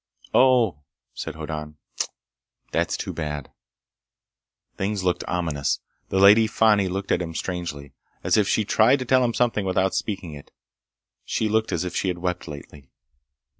"Oh," said Hoddan. "That's too bad." Things looked ominous. The Lady Fani looked at him strangely. As if she tried to tell him something without speaking it. She looked as if she had wept lately.